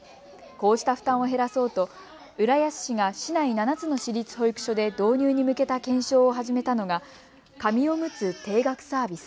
こうした負担を減らそうと浦安市が市内７つの市立保育所で導入に向けた検証を始めたのが紙おむつ定額サービス。